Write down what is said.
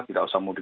tidak usah mudik